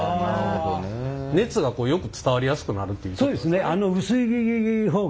熱がよく伝わりやすくなるっていう。